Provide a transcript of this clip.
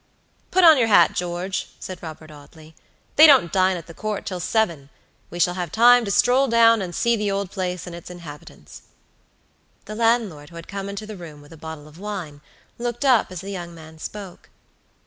"Put on your hat, George," said Robert Audley; "they don't dine at the Court till seven; we shall have time to stroll down and see the old place and its inhabitants." The landlord, who had come into the room with a bottle of wine, looked up as the young man spoke.